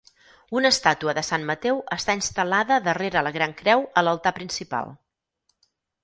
Una estàtua de sant Mateu està instal·lada darrere la gran creu a l'altar principal.